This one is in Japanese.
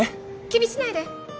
気にしないで